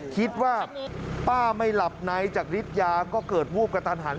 คิดว่าป้าไม่หลับในจากฤทธิ์ยาก็เกิดวูบกระทันหัน